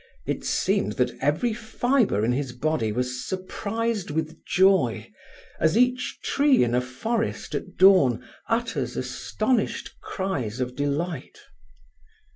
It seemed that every fibre in his body was surprised with joy, as each tree in a forest at dawn utters astonished cries of delight.